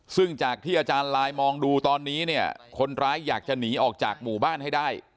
ซึ่งจากที่อาจารย์ลายมองดูตอนนี้เนี่ยคนร้ายอยากจะหนีออกจากหมู่บ้านให้ได้